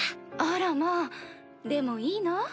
あらまぁでもいいの？